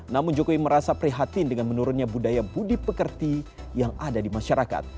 namun jokowi merasa prihatin dengan menurunnya budaya budi pekerti yang ada di masyarakat